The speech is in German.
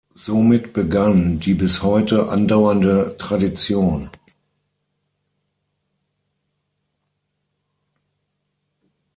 Somit begann die bis heute andauernde Tradition.